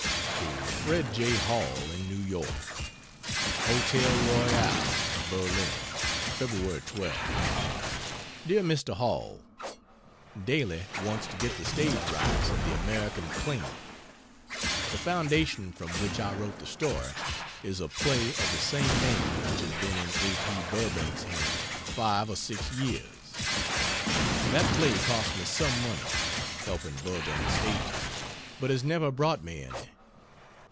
To Fred J. Hall, in New York: HOTEL ROYAL, BERLIN, Feb. 12. DEAR MR. HALL, Daly wants to get the stage rights of the "American Claimant." The foundation from which I wrote the story is a play of the same name which has been in A. P. Burbank's hands 5 or 6 years. That play cost me some money (helping Burbank stage it) but has never brought me any.